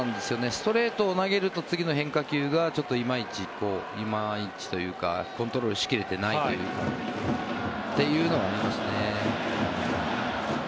ストレートを投げると次の変化球が、いまいちというかコントロールしきれてないというのが見えますね。